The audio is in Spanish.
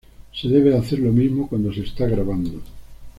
Se debe de hacer lo mismo cuando se está grabando.